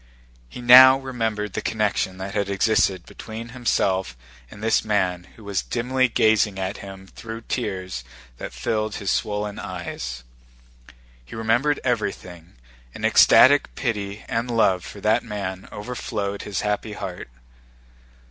He now remembered the connection that existed between himself and this man who was dimly gazing at him through tears that filled his swollen eyes. He remembered everything, and ecstatic pity and love for that man overflowed his happy heart.